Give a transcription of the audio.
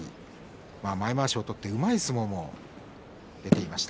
前まわしを取ってうまい相撲も出ていました